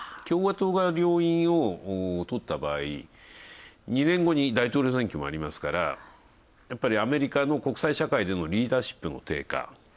共和党が両院をとった場合、２年後に大統領選挙もあるのでやっぱりアメリカの国際社会でのリーダーシップの低下。